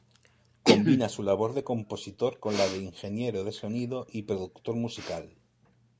Combina su labor de compositor con la de Ingeniero de Sonido y productor musical.